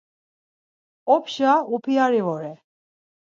Opşa upiyari vore.